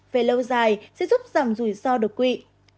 về lâu dài sẽ giúp giảm rủi ro đột quỵ